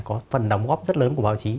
có phần đóng góp rất lớn của báo chí